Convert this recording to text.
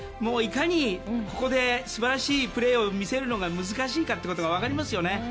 いかにここで素晴らしいプレーを見せるのが難しいかということが分かりますよね。